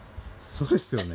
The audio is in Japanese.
そうですよね。